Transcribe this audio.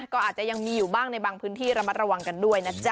ก็อาจจะยังมีอยู่บ้างในบางพื้นที่ระมัดระวังกันด้วยนะจ๊